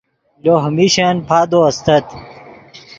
لوہ میشن پادو استت